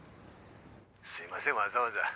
すいませんわざわざ。